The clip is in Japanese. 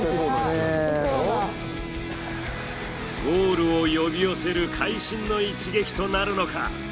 ゴールを呼び寄せる会心の一撃となるのか？